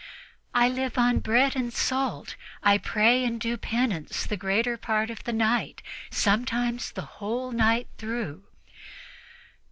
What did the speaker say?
"I live on bread and salt; I pray and do penance the greater part of the night sometimes the whole night through."